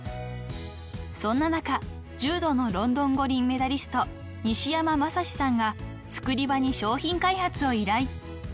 ［そんな中柔道のロンドン五輪メダリスト西山将士さんがＴＳＵＫＵＲＩＢＡに商品開発を依頼］